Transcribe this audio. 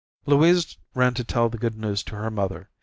Louise ran to tell the good news to her mother.